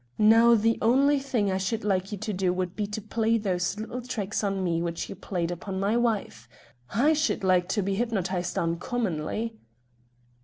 Now, the only thing I should like you to do would be to play those little tricks on me which you played upon my wife. I should like to be hypnotised, uncommonly."